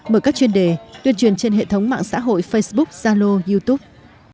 mở các chuyên đề tuyên truyền trên hệ thống mạng xã hội facebook zalo youtube